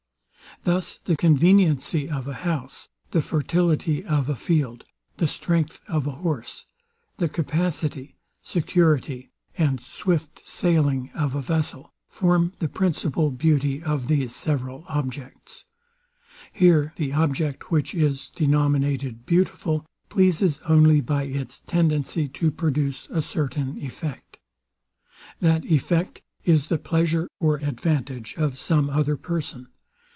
Thus the conveniency of a house, the fertility of a field, the strength of a horse, the capacity, security, and swift sailing of a vessel, form the principal beauty of these several objects. Here the object, which is denominated beautiful, pleases only by its tendency to produce a certain effect. That effect is the pleasure or advantage of some other person.